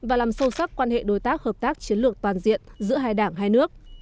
và làm sâu sắc quan hệ đối tác hợp tác chiến lược toàn diện giữa hai đảng hai nước